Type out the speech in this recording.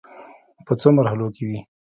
په څو مرحلو کې وې.